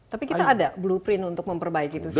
tapi kita ada blueprint untuk memperbaiki itu sendiri